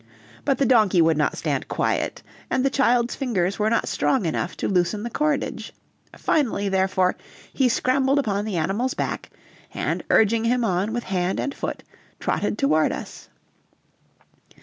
But the donkey would not stand quiet, and the child's fingers were not strong enough to loosen the cordage; finally, therefore, he scrambled upon the animal's back, and urging him on with hand and foot, trotted toward us.